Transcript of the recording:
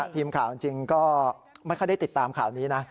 ทีมข่าวจริงก็ไม่ค่อยได้ติดตามข่าวนี้นะ